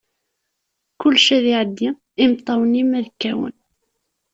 Kullec ad iɛeddi, imeṭṭawen-im ad kawen.